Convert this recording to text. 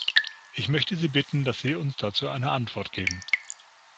Ich möchte bitten, dass Sie uns dazu eine Antwort geben.